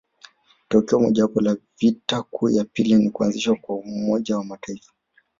Tokeo mojawapo la vita kuu ya pili ni kuanzishwa kwa Umoja wa mataifa